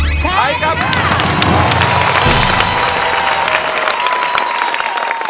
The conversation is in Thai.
เป็นอินโทรเพลงที่๔มูลค่า๖๐๐๐๐บาท